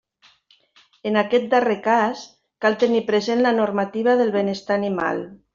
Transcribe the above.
En aquest darrer cas, cal tenir present la normativa de benestar animal.